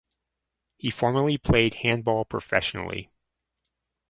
He formerly played handball professionally.